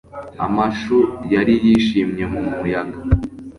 amashu yari yishimye mu muyaga